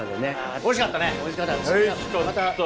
おいしかったね。